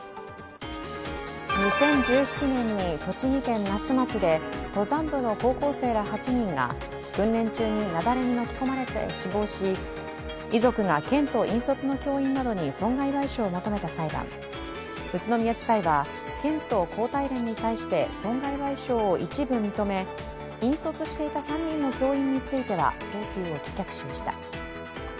２０１７年に栃木県那須町で登山部の高校生ら８人が訓練中に雪崩に巻き込まれて死亡し、遺族が県と引率の教員などに損害賠償を求めた裁判宇都宮地裁は県と高体連に対して損害賠償を一部認め、引率していた３人の教諭については請求を棄却しました。